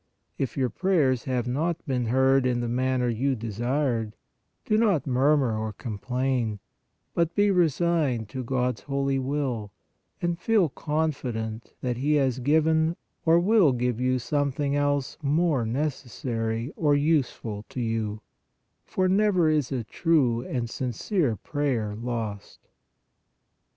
If your prayers have not been heard in the manner you desired, do not mur mur or complain, but be resigned to God s holy will, and feel confident that He has given or will give you something else more necessary or useful to you, for never is a true and sincere prayer lost.